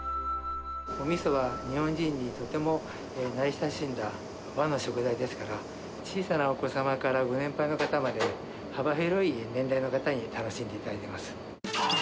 おみそは日本人にとても慣れ親しんだ和の食材ですから、小さなお子様からご年配の方まで、幅広い年代の方に楽しんでいただいています。